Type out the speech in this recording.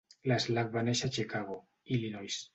L'Slack va néixer a Chicago, Illinois.